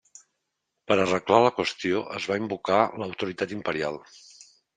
Per arreglar la qüestió es va invocar l'autoritat imperial.